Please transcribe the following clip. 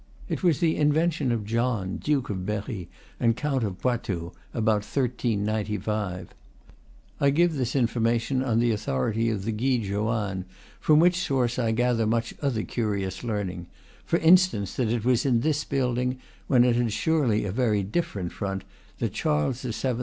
It was the invention of John, Duke of Berry and Count of Poitou, about 1395. I give this information on the authority of the Guide Joanne, from which source I gather much other curious learning; for instance, that it was in this building, when it had surely a very different front, that Charles VII.